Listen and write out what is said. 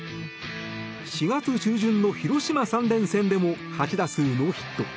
４月中旬の広島３連戦でも８打数ノーヒット。